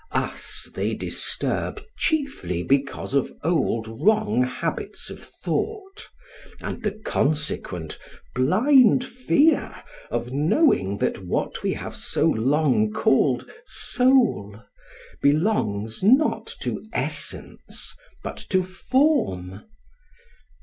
Us they disturb chiefly because of old wrong habits of thought, and the consequent blind fear of knowing that what we have so long called Soul belongs, not to Essence, but to Form.